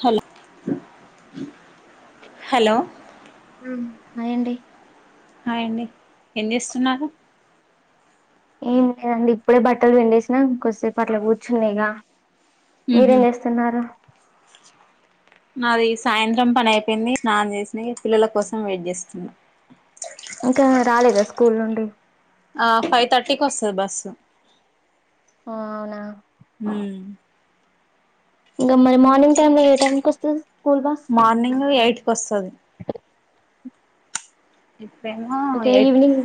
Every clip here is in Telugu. హల్ హు హాయ్ అండి హాయండి ఏం చేస్తున్నారు ఏం లేదండి ఇప్పుడే బట్టలు విండేసినా కొద్దిసేపు అట్లా కూర్చునయిగా ఉహు మీరేం చేస్తున్నారు నాది సాయంత్రం పన్నైపేంది స్నాన్ చేసినిగ పిల్లల కోసం వెయిట్ చేస్తున్నా ఇంకా రాలేదా స్కూల్ నుండి ఆ ఫైవ్ థర్టీకోస్తాది బస్సు హో అవునా ఇంకా మరి మార్నింగ్ టైమ్ లో ఏ టైం కొస్తది మార్నింగు ఎయిట్ కొస్తది ఇప్డేమో ఇంకా ఎయిట్ ఈవినింగ్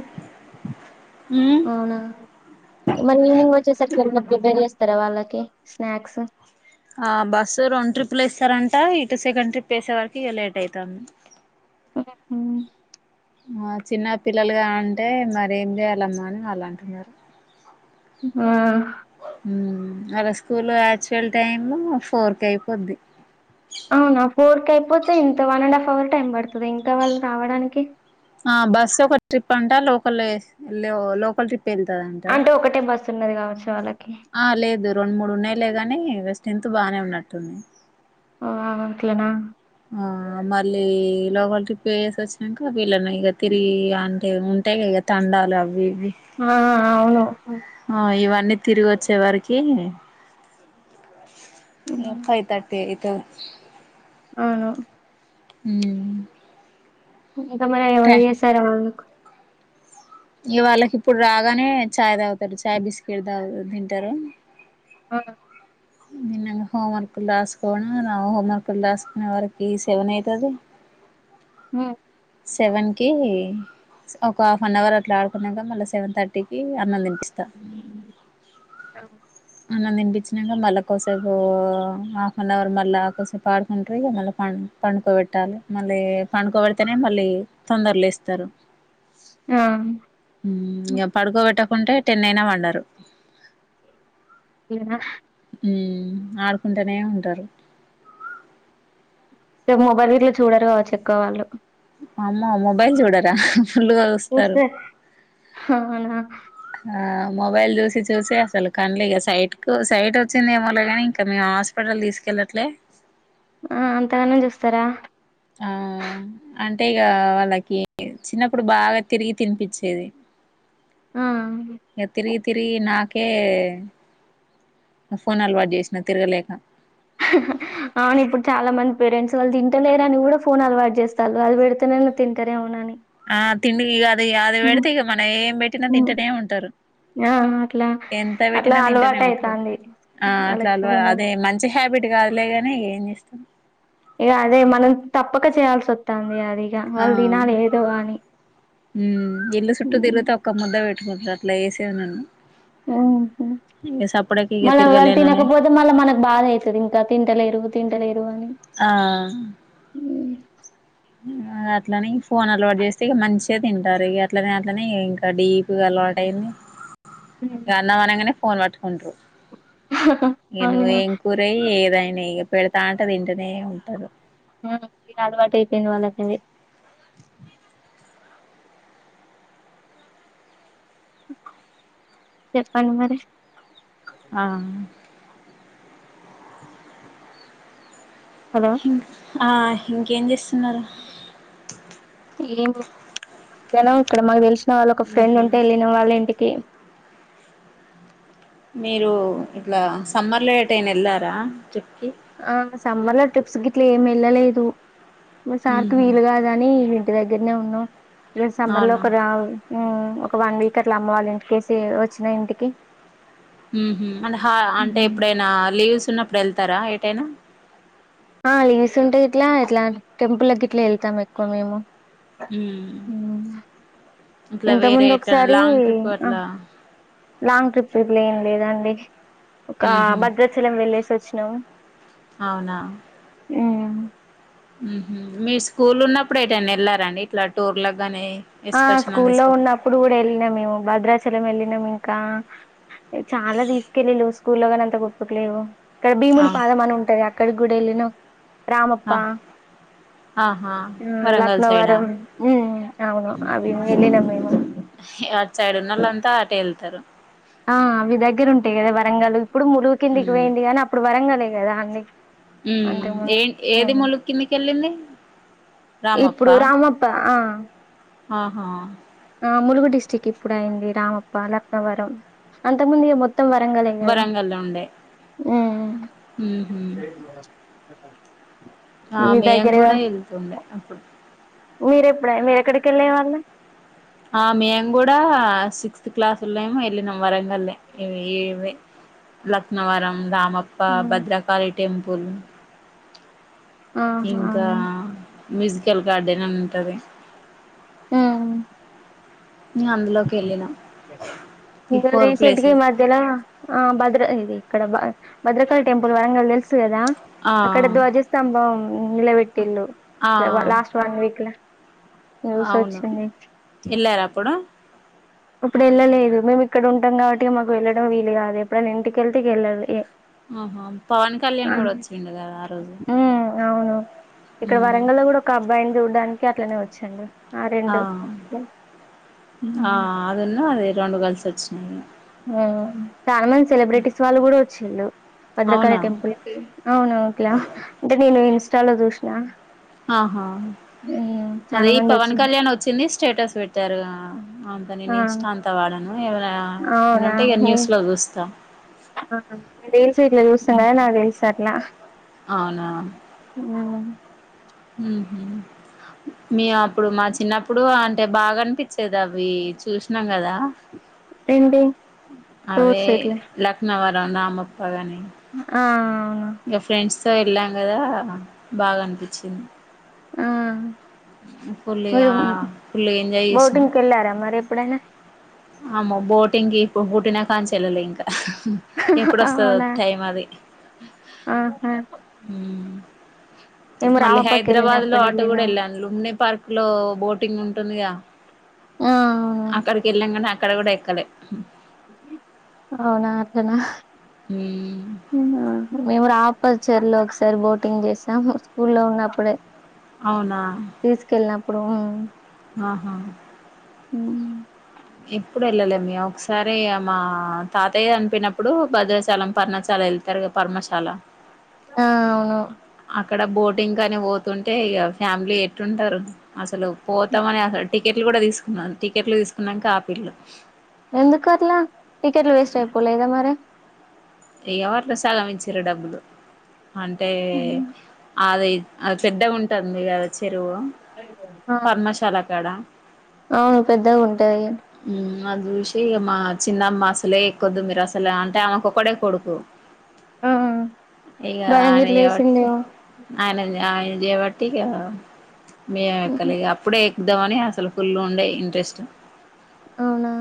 ఉమ్ అవునా మరి ఈవినింగ్ వచ్చేసరికి వెళ్దాం ప్రిపేర్ చేస్తారా వాళ్ళకి స్నాక్సు ఆ బస్సు రెండు ట్రిప్లు వేస్తారంట ఇటు సెకండ్ ట్రిప్ వేసే వరకి ఇక లేట్ అయితాంది ఒహో మా చిన్న పిల్లలుగా అంటే మరేమ్ చేయాలమ్మా అని వాళ్ళు అంటున్నారు హుఆ హ్మ్ అలా స్కూల్లో యాక్చువల్ టైము ఫోర్కయిపోద్ది అవునా ఫోర్ కయిపోతే ఇంత one and half hour time పడుతద ఇంకా వాళ్ళు రావడానికి ఆ బస్సు ఒక ట్రిప్ అంటా లోకల్ లేసి ఎల్లె వొళ్ళు లోకల్ ట్రిప్ పెళ్తాడంట అంటే ఒకటే బస్సు ఉన్నది కావచ్చు వాళ్ళకి ఆ లేదు రెండు మూడున్నాయిలే గాని వెస్టెంట్ బానే ఉన్నట్టుంది ఆ అట్లనా ఆ మళ్ళీ లోకల్ ట్రిప్పేసేసాక వీళ్ళని ఇక తిరిగి అంటే ఉంటాయి కదా తండాలవి ఆ అవును అన్ని తిరిగొచ్చే వరకి ఇగ ఉమ్, ఫైవ్ థర్టీ అయి త అవును హ్మ్ ఇంకా మనం ఎవరయ్యేసారనుకో ఇగ వాళ్ళకిప్పుడు రాగానే చాయ్ తాగుతారు చాయ్ బిస్కెట్ దాగ్ తింటారు ఆ హ్మ్ విన్న ఇంగ హోంవర్క్లు రాసుకోను రా హోంవర్క్లు రాసుకునే వరికి సెవన్ అయితది హు సెవెన్కి ఒక హాఫ్ అన్ అవర్ అట్లా ఆడుకున్నాక మళ్ళా సెవెన్ థర్టీకి అన్నాల్దింట అవ్ అన్నం తినిపించినాక మళ్ళాకోసేపు హాఫ్ నే అవర్ మళ్ళాకోసేపు ఆడుకుంటారు మళ్ళ పండుకో వేట్టాలే మళ్ళీ పండుకోబడితేనే మళ్ళీ తొందరలేస్తరు ఆ ఉమ్ ఇగ పడుకోబెట్టకుంటే టెన్ అయినా వండరు అంతేనా ఉమ్ ఆడుకుంటూనే ఉంటరు సేపు మొబైల్ గిట్ల చూడరు కావచ్చు ఎక్కువ వాళ్ళు అమ్మో మొబైల్ చూడరా ఫుల్లుగా చూస్తారు అవునా ఆ మొబైల్ చూసి చూసి అసలు కండ్లీ ఇగ సైట్ కు సైట్ వచ్చింది ఏమోలే గాని ఇంకాని హాస్పిటల్ తీసుకెళ్ళట్లే ఆ అంతగానం చూస్తారా ఆ అంటే ఇగ వాళ్ళకి చిన్నప్పుడు బాగా తిరిగి తినిపించేది ఆ ఇగ తిరిగి తిరిగి నాకే ఫోన్ అలవాటు చేసినా తిరగలేక అవును ఇప్పుడు చాలా మంది పేరెంట్స్ వాళ్ళు తింటలేరుఅని కూడా ఫోన్ అలవాటు చేస్తారు అది పెడితేనే తింటారేమో నని ఇగ్ ఆ తిండి ఇగ అది ఈ అది పెడితే ఇగ మన ఏం పెట్టినా తింటనే ఉంటారు ఆ అట్లా ఎంత అట్లా పెట్టినా తింటేనే అలవాటు ఉంటారు అయితాంది ఆ అట్లా వాళ్ళకి అలవా ఫోను అదే మంచి హ హాబిట్ కాదులేగానీ ఇగ ఏం చేస్తాం ఇగా అదే మనం తప్పక చేయాల్సి వత్తంది అ ఆ ఉమ్ ఇల్లు సుట్ట తిరిగితే ఓక్క ముద్ద వెట్ ఫస్ట్ అట్లా ఏసేది నన్ను ఓహో ఇంగ సప్పుడేక ఇగ మళ్ళ వాళ్ళు తిరగలేననే తినకపోతే మళ్ళీ మనకు బాధ అయితది ఇంకా తింటలేరు తింటలేరు అని ఆ ఆ అట్లనే ఫోన్ అలవాటు చేస్తే ఇగ మంచిగా తింటారు ఇగ అట్లనే అట్లనే ఇంకా డీప్ గా అలవా టయ్యింది ఇగ అన్నం అనంగానే ఫోన్ పట్టుకుంటారు ఇగ అవును నువ్వు ఏం కూరై ఏదైనా ఇగా పెడతాంటే తింటనే ఉంటరు ఉమ్ ఇగ అలవాటు అయిపేయింది వాళ్ళకు అదే చెప్పండి మరి ఆ హలో ఆ ఇంకేం చేస్తున్నారు ఏమి మధ్యాహ్నం ఇక్కడ మాకు తెలిసిన వాళ్ళు ఒక ఫ్రెండ్ ఉహు ఉంటే వెళ్ళినం వాళ్ళ ఇంటికి మీరు ఇట్లా సమ్మర్లో ఏటైనా వెళ్ళారా ట్రిప్ కి ఆ సమ్మర్ లో ట్రిప్స్ గిట్లా ఏమి ఏళ్ళలేదు నా సార్కి ఉహు వీలు కాదని ఇంటి దగ్గరనే ఉన్నాం ఇలా సమ్మర్ లో అవునా ఒక రావు ఉమ్ ఉమ్ ఒక వన్ వీక్ అట్లా అమ్మ వాలి ఇంటికేసి వచ్చినా ఇంటికి ఉహుం అంటే హ ఉ అంటే ఎప్పుడైనా లీవ్స్ ఉన్నప్పుడు వెళ్తారా ఏటైనా ఆ లీవ్స్ ఉంటే గిట్లా ఇట్లా టెంపుల్ గిట్లా వెళ్తాం ఎక్కువ మేము ఉమ్ ఇట్లా ఇంత వేరే ముందు ఎట్లానా ఒకసారి లాంగ్ ట్రిప్ ఆ అట్లా లాంగ్ ట్రిప్లే ఇప్పుడేం లేదాండి ఒక ఉహు భద్రాచలం వెళ్ళేసి వచ్చినాము అవునా ఉమ్ హ్మ్ హు మీ స్కూల్ ఉన్నప్పుడు ఏటన్న వెళ్లార అండి ఇట్లా టూర్లకి కానీ ఆ స్కూల్లో ఉన్నప్పుడు కూడా వెళ్ళినా మేము భద్రాచలం వెళ్ళినాము ఇం ఇంకా చాలా తీసుకెళ్ళిళ్ళు స్కూల్లో కాని అంత గుర్తుకు లేవు ఇక్కడ ఆ భీముని పాదం అని ఉంటది అక్కడ కి గూడ ఎల్లినం రామప్ప ఆ ఆహా మ్మ్ వరంగల్ సైడా లక్నవరం మ్మ్ అవును అ మేము ఎల్లినం మేము త అటే ఎళ్తారు ఆ అవి దగ్గర ఉంటాయి కదా వరంగలు ఇప్పుడు ములుగు కిందికి మ్మ్ పోయింది గానీ అప్పుడు వరంగలే కదా అన్నీ హ్మ్ ఎన్ ఏది ములుక్కిిందికెళ్ళింది ఇప్పుడు రామప్ప ఆ ఆహా ఆ ములుగు డిస్టిక్ ఇప్పుడు అయింది రామప్ప లక్నవరం అంతకు ముందు ఇగ మొత్తం త్తం వరంగలె కదా మ్మ్ హ్మ్ హు [unintelligible] ఆ మీ మేము కూడా వెళ్తుండే అప్పుడు మీర ఎప్పుడ మీరెక్కడికెల్లే వాళ్ళు ఆ మేము కూడా సిక్స్త్ క్లాసులేమో వెళ్ళినం వరంగల్లి ఇవి ఇవి లక్నవరం రామప్ప భద్రకాళీ టెంపుల్ ఆహా ఇంకా అవునా మ్యూజికల్ గార్డెన్ ఉంటది మ్మ్ ఇంగ అందులోకి వెళ్ళినాం ఈ ఇప్పుడు ఫోర్ రీసెంట్గా ఈ ప్లేసెస్ మధ్యలో ఆ భద్ర ఇది అక్కడ భ భద్రకళ టెంపుల్ వరంగల్ తెలుసు కదా ఆ అక్కడ ధ్వజస్తంభం ఇందులో పెట్టిల్లు ఆ [unintelligible] లాస్ట్ వన్ వీక్ లో అవును ఎల్లారా అప్పుడు ఇప్పుడు వెళ్ళలేదు మేము ఇక్కడ ఉంటాం కాబట్టి మాకు వెళ్ళడం వీలు కాదు ఎప్పుడైన్న ఇంటికెళ్తే ఇగ ఎల్లాలి ఏ ఆహా పవన్ కళ్యాణ్ కూడా వచ్చిండు కదా ఆ రోజు ఉమ్ అవును ఇక్కడ మ్మ్ వరంగల్లో కూడా ఒక అబ్బాయిని చూడ్డానికి అట్లనే వచ్చిండు ఆ ఆ అదిన్న అది రొండు కల్సి వచ్చిండు మ్మ్ చాలా మంది సెలబ్రిటీస్ వాళ్ళు కూడా వచ్చిళ్ళు భద్రకళి అవునా టెంపుల్ కి అవును కిల అంటే నేను ఇన్స్టాలో చూసిన ఆహా అదే చాలా ఈ మంది పవన్ వచ్చి కళ్యాణ్ వచ్చింది స్టేటస్ పెట్టారు అంత నేను ఆ ఇన్స్టా అంతా వాడను ఏవనా ఏ ఉంటే ఇగ న్యూస్ లో చూస్తాం ఆహా రీల్స్ ఎట్ల చూస్తారని నాకు తెలుసు అట్లా అవునా హ్మ్ హు మే అప్పుడు మా చిన్నప్పుడు అంటే బాగా అనిపించేది అవి చూసినాం కదా ఏంటి అవే టూర్స్ ఇట్లా లక్నవరం రామప్ప అని ఆ అవును ఇగ ఫ్రెండ్స్ తో వెళ్ళాం కదా బాగా అనిపిచ్చింది ఆ ఫుల్గా మీరు ఫుల్గా ఎంజాయ్ బోటింగ్కి వెళ్ళారా మరి ఎప్పుడైనా అమ బోటింగ్ ఇప్పుడు పుట్టిన కానుంచి వెళ్ళలే ఇంకా ఎప్పుడోస్తదో అవునా టైం అది ఆహా మేము మళ్ళీ రామప్పకి హైదరాబాద్ లో వెళ్ళినప్పుడు ఆటో కూడ వెళ్ళినాం వెళ్ళాను లుమ్ని పార్క్ లో బోటింగ్ ఉంటుందిగ ఆ అవును అక్కడికి వెళ్ళాం కనీ అక్కడ కూడ ఎక్కలే అవునా అట్లనా మేము [unintelligible] చర్ లో ఒకసారి బోటింగ్ చేసం స్కూ లో ఉన్నప్పుడే అవునా అప్పుడు ఆహా ఉ ఎప్పుడు వెళ్ళలేమి ఒకసారి మా తాతయ్య చనిపోనప్పుడు భద్రాచలం పర్ణచ అల వెళ్తారు పర్మశాల ఆ అవును అక్కడ బోటింగ్ కని పోతుంటే ఇక ఫ్యామిలీ ఎట్టుంటారు అసలు పోతామని అస టికెట్ కూడ తీసుకున్నాను టికెట్లు తీసుకున్నాక ఆపిల్లు ఎందుకు అట్ల టికెట్లు వేస్ట్ అయిపోలేదా మరి [unintelligible] డబ్బులు అంటే ఉమ్. అది అది పెద్ద ఉంటుంది కదా చెరువు ఆ పర్మశాల కాడ అవును పెద్దగా ఉంటాయి అది చూసి మా చిన్నమ్మ అసలే ఇక్కొద్దు మీరు అసలే అంటే ఆమెకు ఒకడే కొడుకు ఆ ఇగ భయం గిట్ల వేసిందేమో ఆయన [unintelligible] వాటిక మే ఉమ్. కలి అప్పుడే చద్దామని అసలు ఫుల్లు ఉండే ఇంట్రెస్ట్ అవునా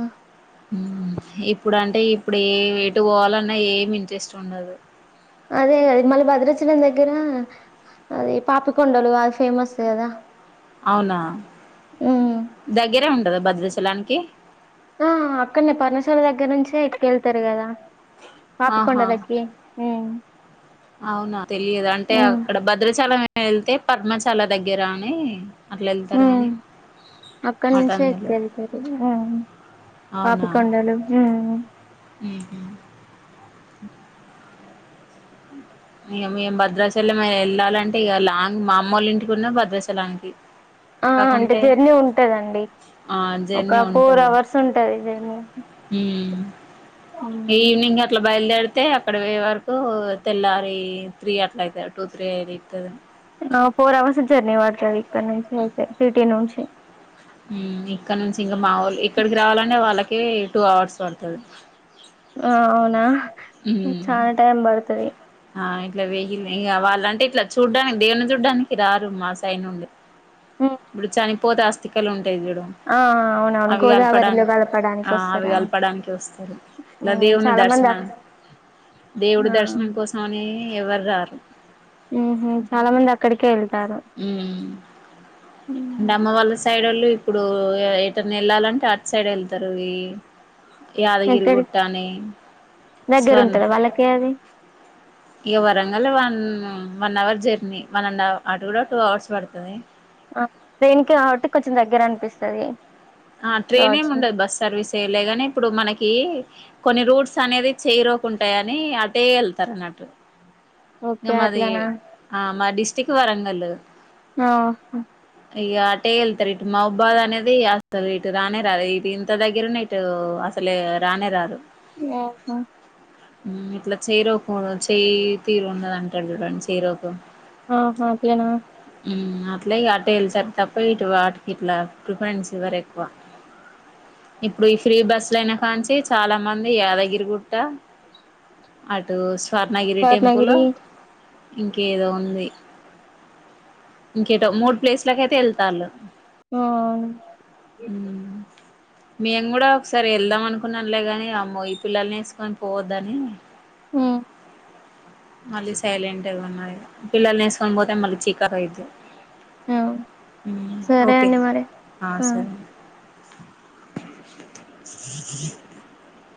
ఇప్పుడు అంటే ఇప్పుడు ఏ ఎటు పోవాలన్నా ఏమి ఇంట్రెస్ట్ ఉండదు అదే అది మళ్ళీ భద్రచలం దగ్గర అదే పాపకొండలు అది ఫేమస్ కదా అవునా ఉమ్. దగ్గరే ఉంటంద భద్రచలానికి ఆ అక్కడనే పర్ణశాల దగ్గర నుంచే ఎత్తుకెళ్తరు కదా పాప ఆహా కొండలెక్కి అవునా తెలియదు అంటే అక్కడ భద్రాచలం వెళ్తే పద్మశాల దగ్గర అని అట్ల ఎళ్తారు కానీ అక్కడి అటు నుంచే అందులో ఎక్కేళ్తారు పాపి కొండలు ఉహ [inaudible] ఇగ మేం భద్రాచలం వెళ్ళాలంటే ఇక లాంగ్ మా అమ్మ వాళ్ళ ఇంటికిన్న భద్రాచలానికి ఆ అంటే కాకుంటే జర్నీ ఉంటదండి ఆ ఒక జర్నీ ఫోర్ ఉంటది అవర్స్ ఉంటది జర్నీ ఈవినింగే అట్ల బయలుదేరితే అక్కడ పోయే వరకు తెల్లారి త్రీ అట్ల అయితు టూ త్రీ అ ఇతుందిని ఫోర్ అవర్స్ జర్నీ పడతాది ఇక్కడ నుంచి అయితే సిటీ నుంచి ఇక్కడ నుంచి ఇంగ మావొళ్ళు ఇక్కడికి రావాలంటే వాళ్ళకి టూ అవర్స్ పడుతది ఆ అవునా ఉమ్ చాన టైమ్ బడుతది ఇట్ల వెయ్యి వాళ్ళంటే ఇట్లా చూడ్డానికి దేవుని చూడ్డానికి రారు మా సైడ్ నుండి ఇప్పుడు చనిపోతే ఆస్తికలు తెయడం ఆ అవునవును అవి గోదావరిలో కలపడానికి కలపడానికి ఆ అవి వస్తారా కలపడానికి వస్తారు ఇలా ఉమ్ దేవుని చాలా మంది అ దర్శనం దేవుడి ఆ దర్శనం కోసం అని ఎవ్వరు రారు ఉహు చాలా మంది అక్కడికే వెళ్తారు ఉ నామ్మ వాళ్ళ సైడ్ ఒళ్ళు ఇప్పుడు ఏటన్న వెళ్ళాలంటే అటు సైడ్ వెళ్తారు ఇ యాదగిరి ఎక్కడి గుట్టనీ దగ్గర స్వర్ణ ఉంటదా వాళ్ళకి అది ఇక వరంగ లో one one hour journey one and half అటు కూడా టూ అవర్స్ పడతది ట్రైన్ కి కాబట్టి కొంచెం దగ్గర అనిపిస్తది ఆ ట్రైన్ ఏమి రాజు ఉండదు బస్ సర్వీసే లేగానే ఇప్పుడు మనకి కొన్ని రూట్స్ అనేవి చెయ్ రోకు ఉంటాయని అటే వెళ్తారు అన్నట్టు ఓకే మాది అట్లనా ఆ మా డిస్టక్ట్ వరంగల్లు ఆహా ఇగ అటే వెళ్తారు ఇటు మాహబాద్ అనేది అసలు ఇటు రానే రదు ఇటు ఇంత దగ్గరనే ఇటు అసలే రానే రారు యహో ఇట్లా చేయిరోకు చేయి తీరు ఉన్నదంటాడు చూడండి చెయ్ రోకు ఆహా ఉత్తిగానా అట్లా అట్టే ఎల్సెప్ తప్ప ఇటు వాటికి ఇట్లా ప్రిఫరెన్స్ ఇవ్వరు ఎక్కువ ఇప్పుడు ఈ ఫ్రీ బస్సుల అయినా కాంచి చాలా మంది యాదగిరి గు గుట్ట అటు స్వర్ణగిరి టెంపుల్ రత్నగిరి ఇంకేదో ఉంది ఇంకేటో మూడు ప్లేస్లకయితే వెళ్తాళ్ళు ఆ అవును మ్మ్ మేము కూడా ఒకసారి వెళ్దాం అనుకున్నాలేగాని అమ్మో ఈ పిల్లల్ని వేసుకొని పోవద్దని ఆ మళ్ళీ సైలెంట్ ఉన్నాం ఈగ పిల్లలు వేసుకొని పోతే మళ్ళీ చికాక్ అయిది ఆ ఉ సరే ఓకే అండి మరి ఆ సరే [inaudible]